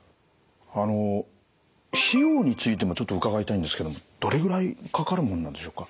あの費用についてもちょっと伺いたいんですけどもどれぐらいかかるもんなんでしょうか？